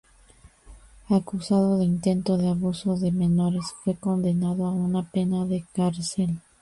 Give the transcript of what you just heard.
Acusado de intento de abuso de menores, fue condenado a una pena de cárcel.